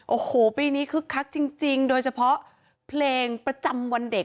โอ้โหปีนี้คึกคักจริงโดยเฉพาะเพลงประจำวันเด็ก